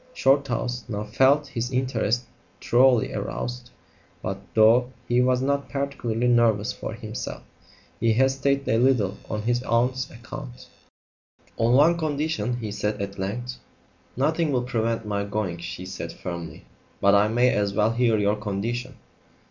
Shorthouse now felt his interest thoroughly aroused; but, though he was not particularly nervous for himself, he hesitated a little on his aunt's account. "On one condition," he said at length. "Nothing will prevent my going," she said firmly; "but I may as well hear your condition."